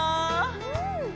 うん！